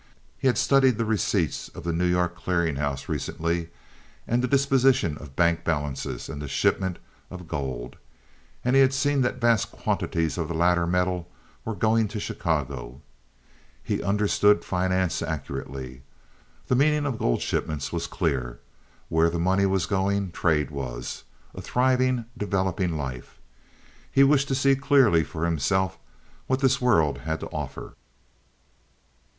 He had studied the receipts of the New York Clearing House recently and the disposition of bank balances and the shipment of gold, and had seen that vast quantities of the latter metal were going to Chicago. He understood finance accurately. The meaning of gold shipments was clear. Where money was going trade was—a thriving, developing life. He wished to see clearly for himself what this world had to offer.